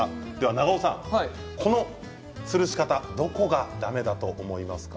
長尾さん、このつるし方どこがだめだと思いますか。